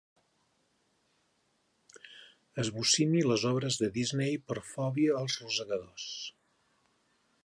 Esbocini les obres de Disney per fòbia als rosegadors.